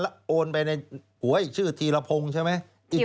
แล้วโอนไปในหัวอีกชื่อธีรพงศ์ใช่ไหม